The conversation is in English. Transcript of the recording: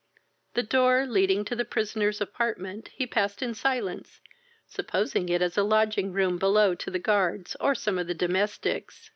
The door, leading to the prisoner's apartment, he passed in silence, supposing it a lodging room belonging to the guards, or some of the domestics.